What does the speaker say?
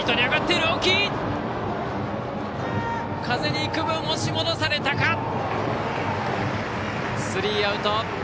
風に幾分押し戻されたか。